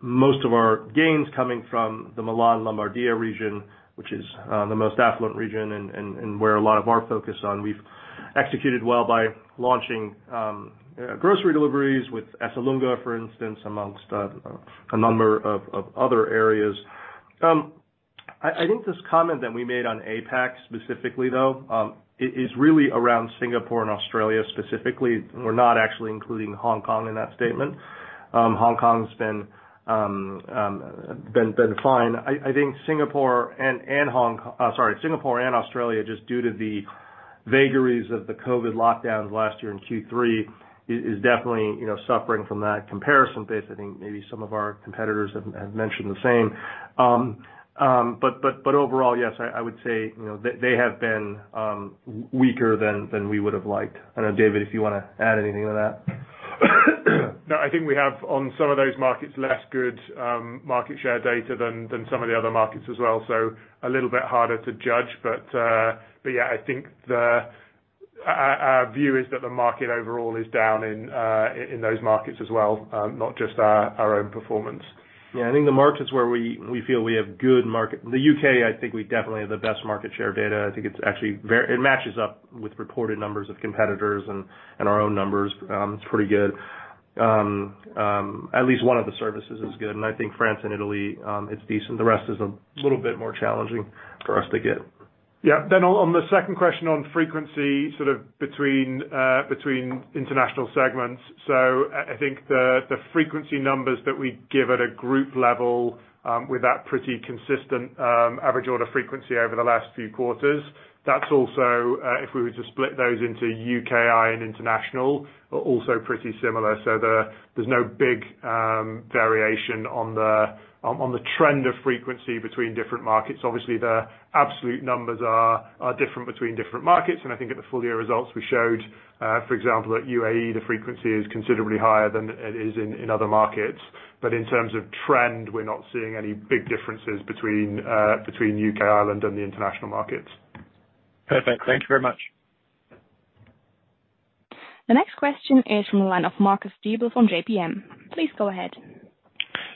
A: most of our gains coming from the Milan Lombardy region, which is the most affluent region and where a lot of our focus on. We've executed well by launching grocery deliveries with Esselunga, for instance, among a number of other areas. I think this comment that we made on APAC specifically, though, is really around Singapore and Australia specifically. We're not actually including Hong Kong in that statement. Hong Kong's been fine. I think Singapore and Australia, just due to the vagaries of the COVID lockdowns last year in Q3 is definitely, you know, suffering from that comparison base. I think maybe some of our competitors have mentioned the same. But overall, yes, I would say, you know, they have been weaker than we would have liked. I don't know, David, if you wanna add anything to that.
B: No, I think we have on some of those markets less good market share data than some of the other markets as well. A little bit harder to judge. Yeah, I think our view is that the market overall is down in those markets as well, not just our own performance.
A: The UK, I think we definitely have the best market share data. I think it's actually. It matches up with reported numbers of competitors and our own numbers, it's pretty good. At least one of the services is good, and I think France and Italy, it's decent. The rest is a little bit more challenging for us to get.
B: Yeah. On the second question on frequency, sort of between international segments. I think the frequency numbers that we give at a group level with that pretty consistent average order frequency over the last few quarters, that's also if we were to split those into UK, I, and international, are also pretty similar. There's no big variation on the trend of frequency between different markets. Obviously, the absolute numbers are different between different markets. I think at the full year results we showed, for example, at UAE, the frequency is considerably higher than it is in other markets. In terms of trend, we're not seeing any big differences between UK, Ireland, and the international markets.
H: Perfect. Thank you very much.
C: The next question is from the line of Marcus Diebel from JPM. Please go ahead.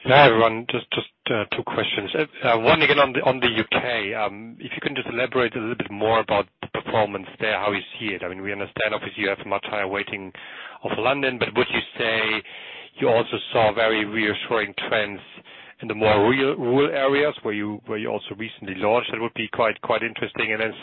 I: Hi, everyone. Just two questions. One again on the U.K. If you can just elaborate a little bit more about the performance there, how you see it. I mean, we understand obviously you have a much higher weighting of London, but would you say you also saw very reassuring trends in the more rural areas where you also recently launched? That would be quite interesting. And then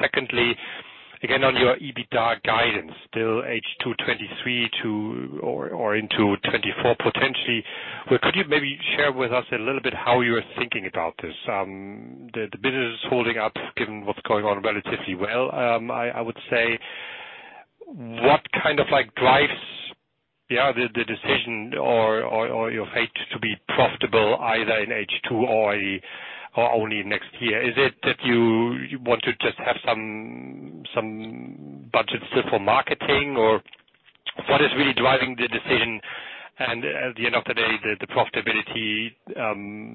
I: secondly, again, on your EBITDA guidance, still H2 2023 to or into 2024 potentially, could you maybe share with us a little bit how you're thinking about this? The business is holding up given what's going on relatively well. I would say, what kind of like drives the decision or your faith to be profitable either in H2 or only next year? Is it that you want to just have some budget still for marketing? Or what is really driving the decision and at the end of the day, the profitability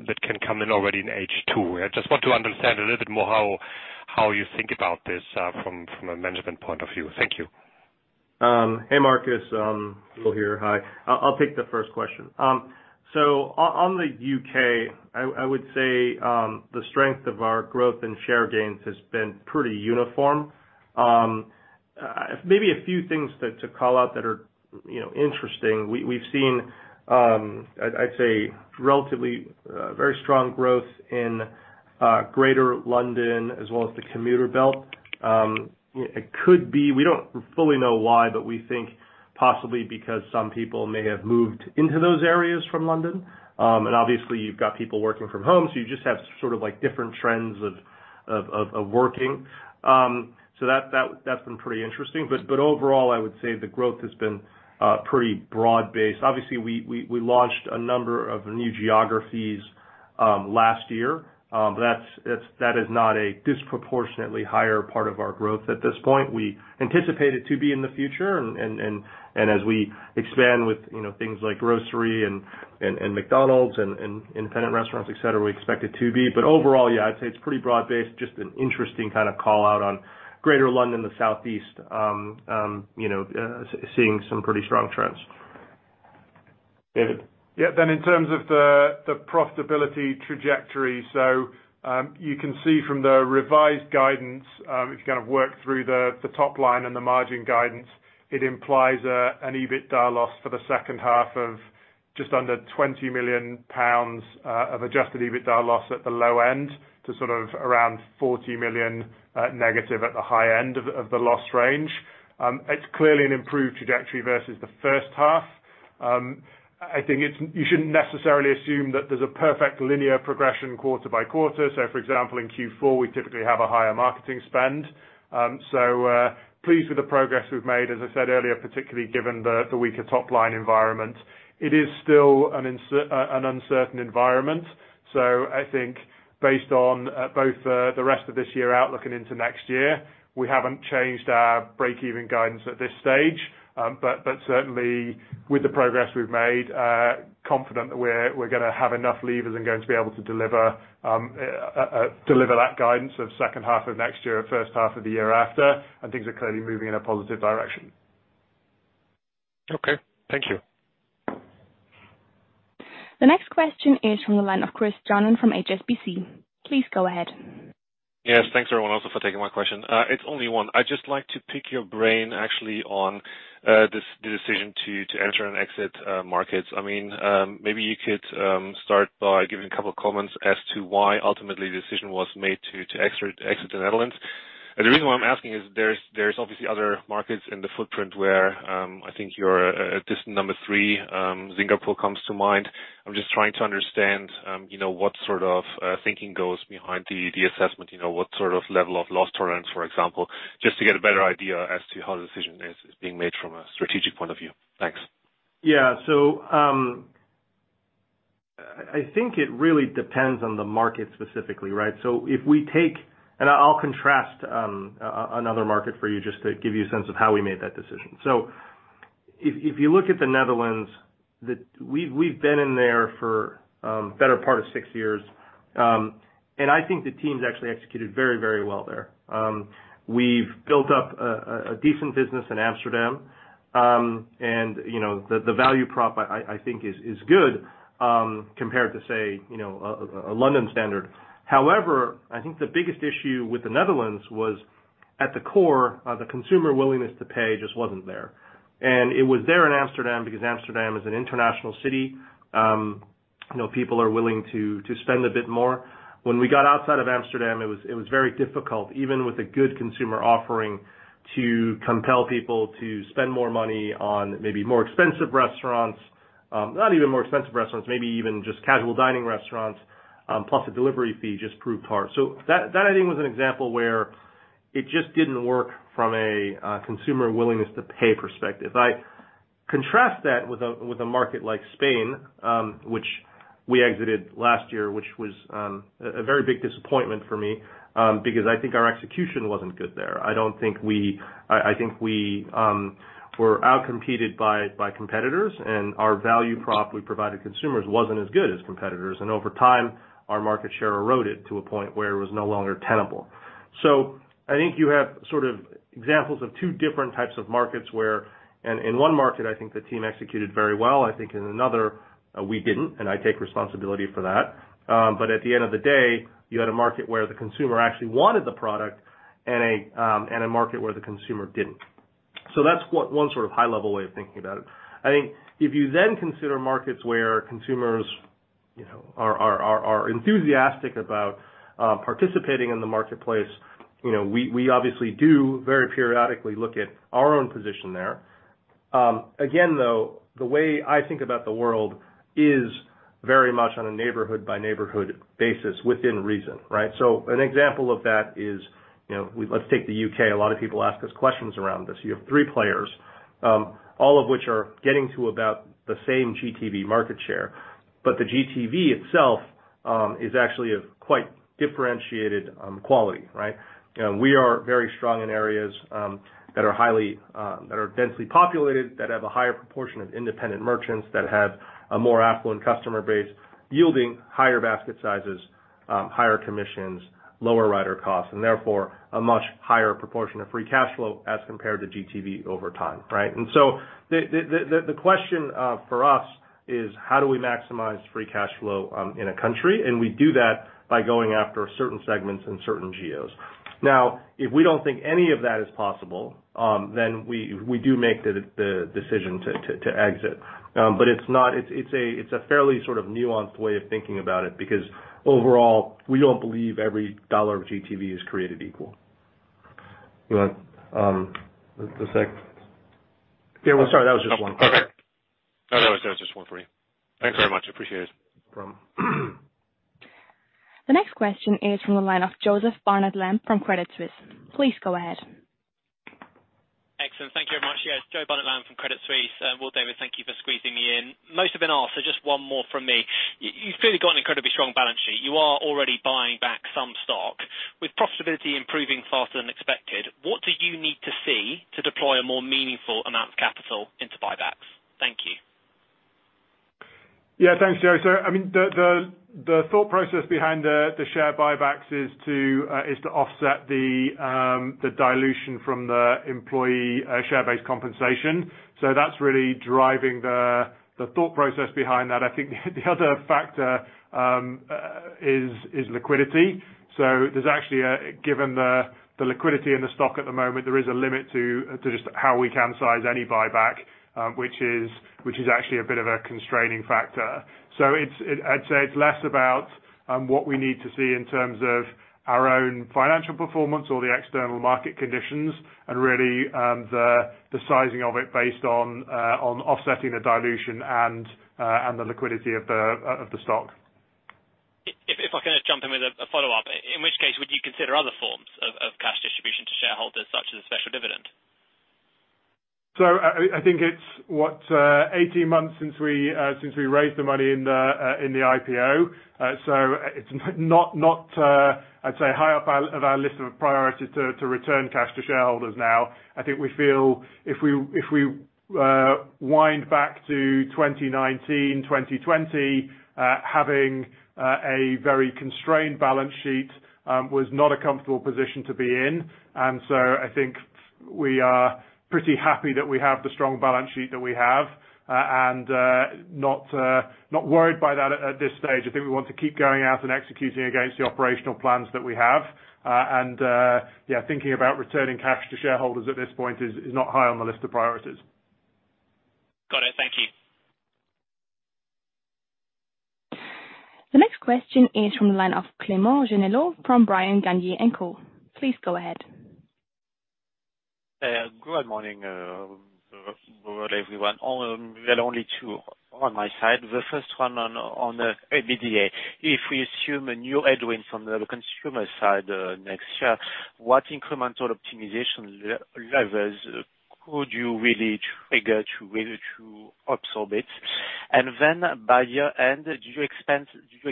I: that can come in already in H2? I just want to understand a little bit more how you think about this from a management point of view. Thank you.
A: Hey, Marcus. Diebel here. Hi. I'll take the first question. On the UK, I would say the strength of our growth and share gains has been pretty uniform. Maybe a few things to call out that are, you know, interesting. We've seen, I'd say relatively very strong growth in Greater London as well as the commuter belt. It could be, we don't fully know why, but we think possibly because some people may have moved into those areas from London. Obviously you've got people working from home, so you just have sort of like different trends of working. That's been pretty interesting. Overall, I would say the growth has been pretty broad-based. Obviously, we launched a number of new geographies last year. That is not a disproportionately higher part of our growth at this point. We anticipate it to be in the future. As we expand with, you know, things like grocery and McDonald's and independent restaurants, et cetera, we expect it to be. Overall, yeah, I'd say it's pretty broad based. Just an interesting kind of call-out on Greater London, the Southeast, seeing some pretty strong trends. David?
B: Yeah. In terms of the profitability trajectory. You can see from the revised guidance, if you kind of work through the top line and the margin guidance, it implies an EBITDA loss for the second half of just under 20 million pounds, of adjusted EBITDA loss at the low end to sort of around 40 million negative at the high end of the loss range. It's clearly an improved trajectory versus the first half. I think you shouldn't necessarily assume that there's a perfect linear progression quarter by quarter. For example, in Q4, we typically have a higher marketing spend. Pleased with the progress we've made, as I said earlier, particularly given the weaker top-line environment. It is still an uncertain environment. I think based on both the rest of this year out looking into next year, we haven't changed our break-even guidance at this stage. But certainly with the progress we've made, confident that we're gonna have enough levers and going to be able to deliver that guidance of second half of next year or first half of the year after, and things are clearly moving in a positive direction.
I: Okay. Thank you.
C: The next question is from the line of Christopher Johnen from HSBC. Please go ahead.
J: Yes. Thanks, everyone, also for taking my question. It's only one. I'd just like to pick your brain actually on this the decision to enter and exit markets. I mean, maybe you could start by giving a couple comments as to why ultimately the decision was made to exit the Netherlands. The reason why I'm asking is there's obviously other markets in the footprint where I think you're distant number three, Singapore comes to mind. I'm just trying to understand you know what sort of thinking goes behind the assessment. You know, what sort of level of loss tolerance, for example, just to get a better idea as to how the decision is being made from a strategic point of view. Thanks.
A: Yeah. I think it really depends on the market specifically, right? I'll contrast another market for you just to give you a sense of how we made that decision. If you look at the Netherlands, we've been in there for better part of six years, and I think the team's actually executed very, very well there. We've built up a decent business in Amsterdam, and, you know, the value prop I think is good, compared to say, you know, a London standard. However, I think the biggest issue with the Netherlands was at the core, the consumer willingness to pay just wasn't there. It was there in Amsterdam because Amsterdam is an international city, you know, people are willing to spend a bit more. When we got outside of Amsterdam, it was very difficult, even with a good consumer offering, to compel people to spend more money on maybe more expensive restaurants. Not even more expensive restaurants, maybe even just casual dining restaurants, plus a delivery fee just proved hard. That I think was an example where it just didn't work from a consumer willingness to pay perspective. I contrast that with a market like Spain, which we exited last year, which was a very big disappointment for me, because I think our execution wasn't good there. I think we were outcompeted by competitors and our value prop we provided consumers wasn't as good as competitors. Over time, our market share eroded to a point where it was no longer tenable. I think you have sort of examples of two different types of markets where, in one market, I think the team executed very well. I think in another, we didn't, and I take responsibility for that. At the end of the day, you had a market where the consumer actually wanted the product and a market where the consumer didn't. That's one sort of high level way of thinking about it. I think if you then consider markets where consumers, you know, are enthusiastic about participating in the marketplace, you know, we obviously do very periodically look at our own position there. Again, though, the way I think about the world is very much on a neighborhood by neighborhood basis within reason, right? An example of that is, you know, let's take the UK. A lot of people ask us questions around this. You have three players, all of which are getting to about the same GTV market share. But the GTV itself is actually a quite differentiated quality, right? We are very strong in areas that are densely populated, that have a higher proportion of independent merchants, that have a more affluent customer base yielding higher basket sizes, higher commissions, lower rider costs, and therefore a much higher proportion of free cash flow as compared to GTV over time, right? The question for us is how do we maximize free cash flow in a country. We do that by going after certain segments in certain geos. Now, if we don't think any of that is possible, then we do make the decision to exit. It's not. It's a fairly sort of nuanced way of thinking about it, because overall, we don't believe every dollar of GTV is created equal. You want the sec? Yeah. Well, sorry, that was just one.
J: Okay. No, that was just one for you. Thanks very much. Appreciate it.
A: No problem.
C: The next question is from the line of Joseph Barnard-Lamb from Credit Suisse. Please go ahead.
K: Excellent. Thank you very much. Yes, Joe Barnard-Lamb from Credit Suisse. Will Shu, David Hancock, thank you for squeezing me in. Most have been asked, so just one more from me. You've clearly got an incredibly strong balance sheet. You are already buying back some stock. With profitability improving faster than expected, what do you need to see to deploy a more meaningful amount of capital into buybacks? Thank you.
B: Yeah. Thanks, Joe. I mean, the thought process behind the share buybacks is to offset the dilution from the employee share-based compensation. That's really driving the thought process behind that. I think the other factor is liquidity. There's actually, given the liquidity in the stock at the moment, a limit to just how we can size any buyback, which is actually a bit of a constraining factor. I'd say it's less about what we need to see in terms of our own financial performance or the external market conditions and really the sizing of it based on offsetting the dilution and the liquidity of the stock.
K: If I can just jump in with a follow-up. In which case would you consider other forms of cash distribution to shareholders, such as a special dividend?
B: I think it's 18 months since we raised the money in the IPO. It's not, I'd say, high up of our list of priorities to return cash to shareholders now. I think we feel if we wind back to 2019, 2020, having a very constrained balance sheet was not a comfortable position to be in. I think we are pretty happy that we have the strong balance sheet that we have and not worried by that at this stage. I think we want to keep going out and executing against the operational plans that we have. Yeah, thinking about returning cash to shareholders at this point is not high on the list of priorities.
K: Got it. Thank you.
C: The next question is from the line of Clement Genelot from Bryan, Garnier & Co. Please go ahead.
L: Good morning, well, everyone. We have only two on my side. The first one on EBITDA. If we assume a new headwind from the consumer side next year, what incremental optimization levels could you really trigger to really absorb it? Then by year-end, do you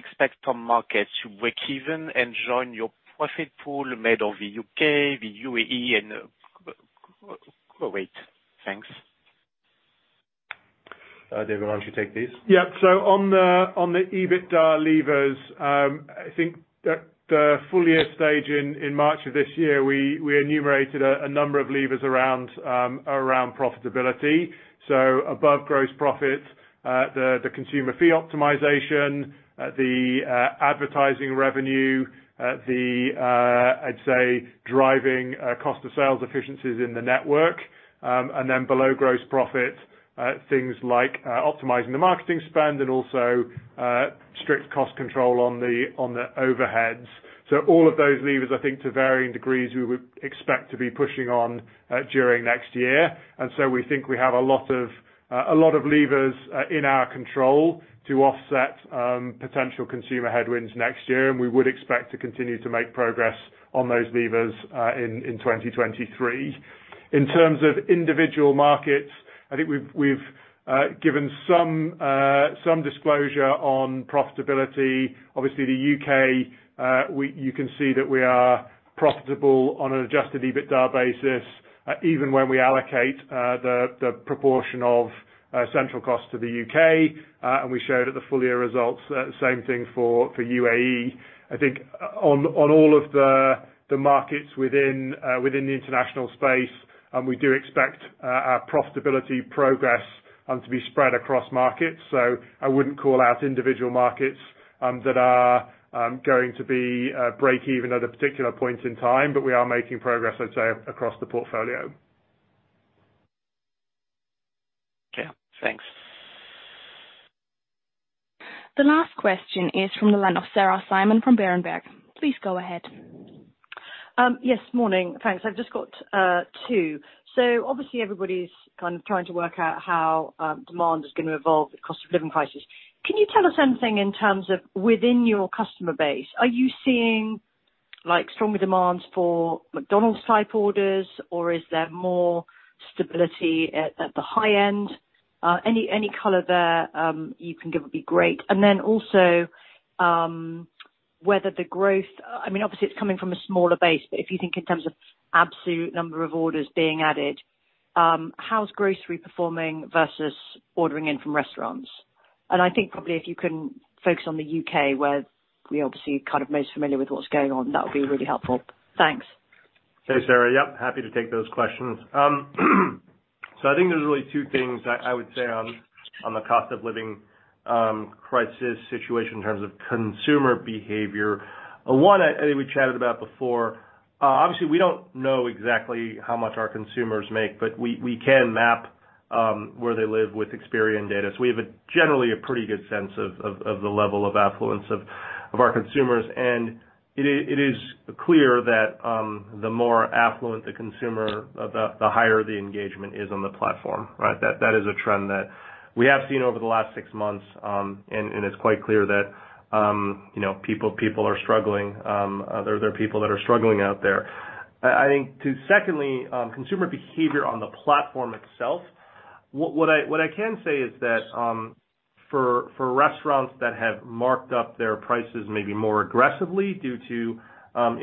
L: expect the market to break even and join your profit pool made of the UK, the UAE, and Kuwait? Thanks.
A: David, why don't you take this? Yeah. On the EBITDA levers, I think at the full year stage in March of this year, we enumerated a number of levers around profitability. Above gross profit, the consumer fee optimization, the advertising revenue, I'd say driving cost of sales efficiencies in the network. Then below gross profit, things like optimizing the marketing spend and also strict cost control on the overheads. All of those levers, I think to varying degrees, we would expect to be pushing on during next year. We think we have a lot of levers in our control to offset potential consumer headwinds next year, and we would expect to continue to make progress on those levers in 2023. In terms of individual markets, I think we've given some disclosure on profitability. Obviously, the UK, you can see that we are profitable on an adjusted EBITDA basis, even when we allocate the proportion of central costs to the UK, and we showed at the full year results the same thing for UAE. I think on all of the markets within the international space, we do expect our profitability progress to be spread across markets. I wouldn't call out individual markets that are going to be break even at a particular point in time. But we are making progress, I'd say, across the portfolio.
L: Yeah. Thanks.
C: The last question is from the line of Sarah Simon from Berenberg. Please go ahead.
M: Yes. Morning, thanks. I've just got two. Obviously everybody's kind of trying to work out how demand is gonna evolve with cost of living crisis. Can you tell us anything in terms of within your customer base, are you seeing like stronger demands for McDonald's type orders, or is there more stability at the high end? Any color there you can give would be great. Whether the growth I mean, obviously it's coming from a smaller base, but if you think in terms of absolute number of orders being added, how's grocery performing versus ordering in from restaurants? I think probably if you can focus on the U.K. where we obviously are kind of most familiar with what's going on, that would be really helpful. Thanks.
A: Hey, Sarah. Yep. Happy to take those questions. So I think there's really two things I would say on the cost of living crisis situation in terms of consumer behavior. One, I think we chatted about before. Obviously we don't know exactly how much our consumers make, but we can map where they live with Experian data. So we have a generally pretty good sense of the level of affluence of our consumers. It is clear that the more affluent the consumer, the higher the engagement is on the platform, right? That is a trend that we have seen over the last six months. It's quite clear that you know, people are struggling. There are people that are struggling out there. I think, secondly, consumer behavior on the platform itself, what I can say is that for restaurants that have marked up their prices maybe more aggressively due to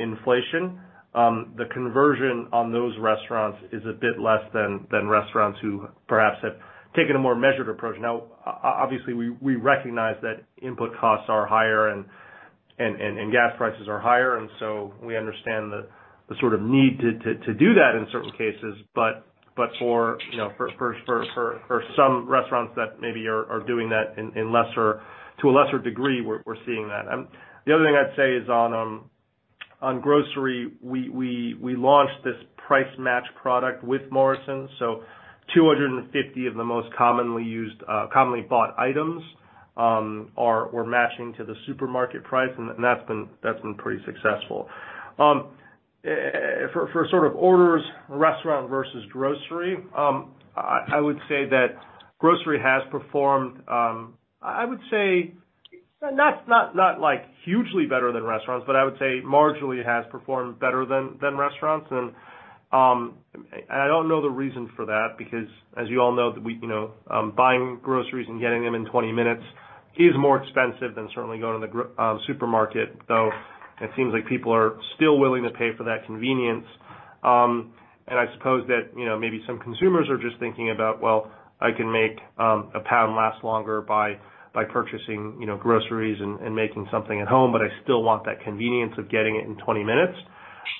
A: inflation, the conversion on those restaurants is a bit less than restaurants who perhaps have taken a more measured approach. Now, obviously, we recognize that input costs are higher and gas prices are higher, and so we understand the sort of need to do that in certain cases. For, you know, for some restaurants that maybe are doing that to a lesser degree, we're seeing that. The other thing I'd say is on grocery, we launched this price match product with Morrisons. 250 of the most commonly used, commonly bought items, we're matching to the supermarket price, and that's been pretty successful. For sort of orders, restaurant versus grocery, I would say that grocery has performed. I would say not like hugely better than restaurants, but I would say marginally it has performed better than restaurants. I don't know the reason for that because as you all know, you know, buying groceries and getting them in 20 minutes is more expensive than certainly going to the supermarket. Though it seems like people are still willing to pay for that convenience. I suppose that, you know, maybe some consumers are just thinking about, "Well, I can make a pound last longer by purchasing, you know, groceries and making something at home, but I still want that convenience of getting it in 20 minutes."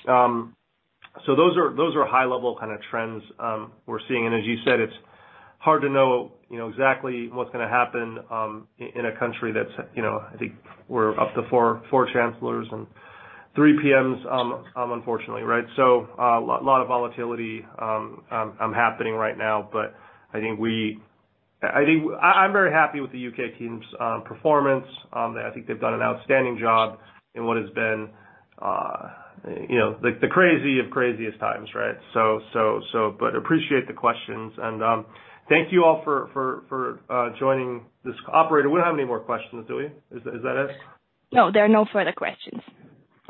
A: Those are high level kinda trends we're seeing. As you said, it's hard to know, you know, exactly what's gonna happen in a country that's, you know, I think we're up to 4 chancellors and 3 PMs, unfortunately, right? Lot of volatility happening right now. I think I think I'm very happy with the U.K. team's performance. I think they've done an outstanding job in what has been, you know, the craziest of crazy times, right? appreciate the questions and thank you all for joining this. Operator, we don't have any more questions, do we? Is that it?
C: No, there are no further questions.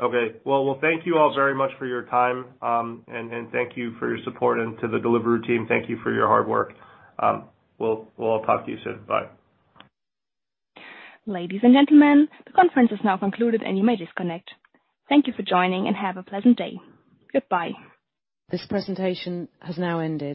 A: Okay. Well, thank you all very much for your time, and thank you for your support and to the Deliveroo team, thank you for your hard work. We'll talk to you soon. Bye.
C: Ladies and gentlemen, the conference is now concluded and you may disconnect. Thank you for joining, and have a pleasant day. Goodbye.
N: This presentation has now ended.